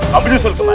kamu nyusul kemana